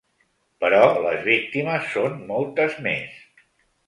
Però les víctimes son moltes més.